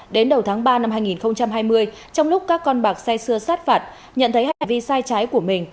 đến đầu tháng ba năm hai nghìn hai mươi trong lúc các con bạc say xưa sát phạt nhận thấy hành vi sai trái của mình